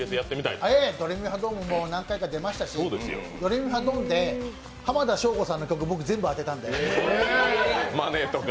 「ドレミファドン！」も何回か出ましたし「ドレミファドン！」で浜田省吾さんの曲、全部当てたんですよ。